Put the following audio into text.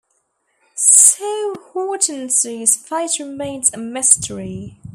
So Hortense's fate remains a mystery.